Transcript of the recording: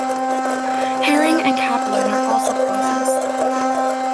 Herring and capelin are also processed.